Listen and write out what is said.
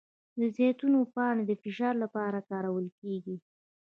د زیتون پاڼې د فشار لپاره کارول کیږي؟